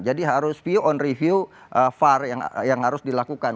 jadi harus view on review far yang harus dilakukan